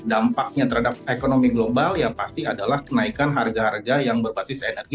dampaknya terhadap ekonomi global ya pasti adalah kenaikan harga harga yang berbasis energi